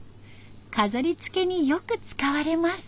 飾りつけによく使われます。